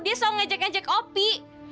dia selalu ngajak ngajak opi